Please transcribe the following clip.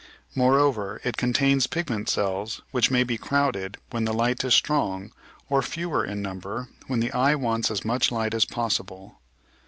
Moreover, it contains pigment cells, which may be crowded when the light is strong or fewer in number when the eye wants as much light as possible.